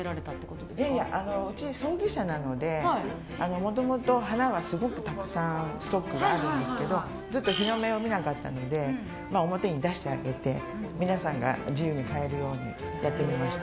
もともと花がたくさんストックがあるんですがずっと日の目を見なかったので表に出してあげて皆さんが自由に買えるようにやってみました。